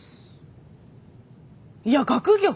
いや学業！